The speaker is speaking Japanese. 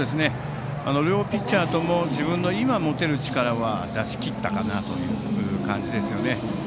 両ピッチャーとも自分の今、持てる力は出し切ったかなという感じですね。